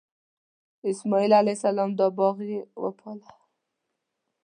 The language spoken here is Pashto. سلیمان علیه السلام دا باغ یې وپاله.